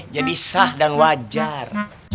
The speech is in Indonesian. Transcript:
jadi sah dan wajar